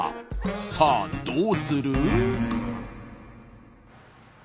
さあどうする？